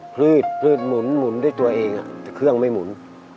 พืชพืชหมุนหมุนด้วยตัวเองอ่ะแต่เครื่องไม่หมุน